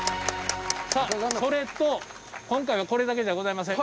さあそれと今回はこれだけじゃございません。